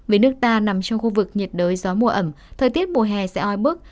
với nước ta nằm trong khu vực nhiệt đới gió mùa ẩm thời tiết mùa hè sẽ oi bức